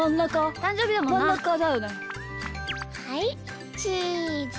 はいチーズ！